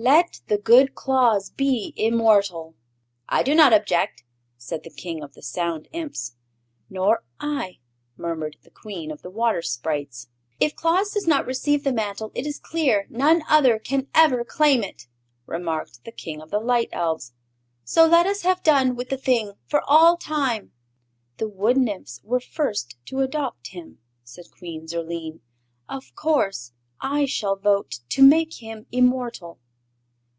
Let the good Claus be immortal!" "I do not object," said the King of the Sound Imps. "Nor I," murmured the Queen of the Water Sprites. "If Claus does not receive the Mantle it is clear none other can ever claim it," remarked the King of the Light Elves, "so let us have done with the thing for all time." "The Wood Nymphs were first to adopt him," said Queen Zurline. "Of course I shall vote to make him immortal."